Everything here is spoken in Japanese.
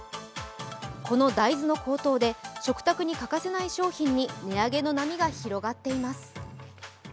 この大豆の高騰で食卓に欠かせない商品に値上げの波が広がっています。